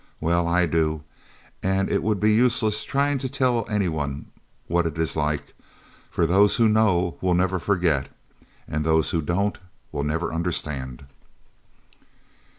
Well, I do, and it would be useless trying to tell any one what it is like, for those who know will never forget, and those who don't will never understand.